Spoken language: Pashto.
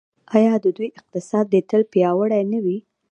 آیا د دوی اقتصاد دې تل پیاوړی نه وي؟